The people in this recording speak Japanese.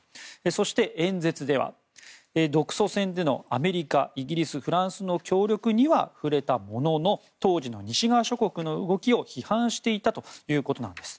そして演説では独ソ戦でのアメリカ、イギリス、フランスの協力には触れたものの当時の西側諸国の動きを批判していたということなんです。